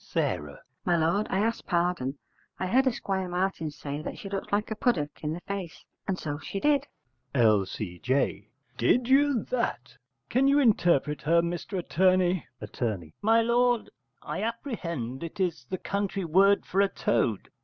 S. My lord, I ask pardon; I heard Esquire Martin say she looked like a puddock in the face; and so she did. L.C.J. Did you that? Can you interpret her, Mr Attorney? Att. My lord, I apprehend it is the country word for a toad.